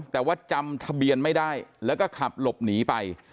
แต่ว่าจำทะเบียนไม่ได้แล้วก็ขับหลบหนีไป